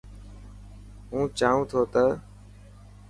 هون چاهون ٿو ته.